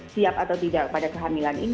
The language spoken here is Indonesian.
siap atau tidak pada kehamilan ini